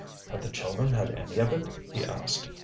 "Have the children had any of it?" he asked.